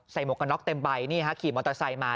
ใส่หมวกกันล็อคเต็มใบขี่มอเตอร์ไซค์มา